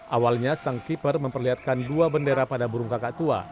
awalnya sang keeper memperlihatkan dua bendera pada burung kakak tua